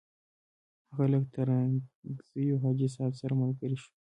هغه له ترنګزیو حاجي صاحب سره ملګری شو.